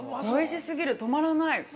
おいし過ぎる、止まらない。